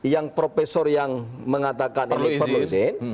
yang profesor yang mengatakan perlu izin